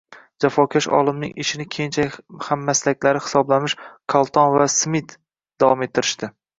Jafokash olimning ishini keyinchalik hammaslaklari hisoblanmish Kolton va Smit davom ettirishdi